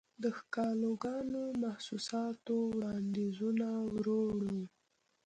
دښکالوګانو، محسوساتووړاندیزونه وروړو